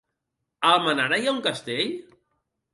A Almenara hi ha un castell?